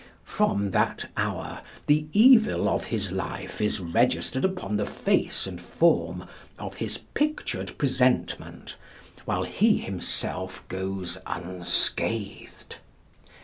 From that hour, the evil of his life is registered upon the face and form of his pictured presentment, while he himself goes unscathed.